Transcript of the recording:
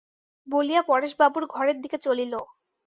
বলিয়া পরেশবাবুর ঘরের দিকে চলিল।